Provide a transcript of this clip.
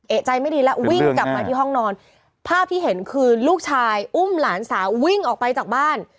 เอกใจไม่ดีแล้ววิ่งกลับมาที่ห้องนอนภาพที่เห็นคือลูกชายอุ้มหลานสาววิ่งออกไปจากบ้าน